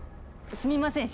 すみません